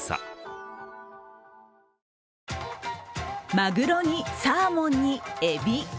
まぐろにサーモンにえび。